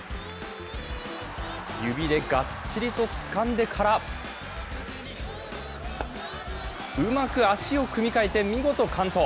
指でがっちりとつかんでからうまく足を組み変えて、見事完登。